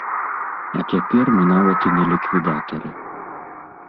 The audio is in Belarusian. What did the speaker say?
А цяпер мы нават і не ліквідатары.